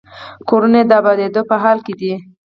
کورونه یې د ابادېدو په حال کې دي.